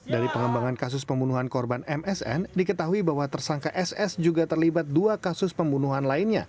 dari pengembangan kasus pembunuhan korban msn diketahui bahwa tersangka ss juga terlibat dua kasus pembunuhan lainnya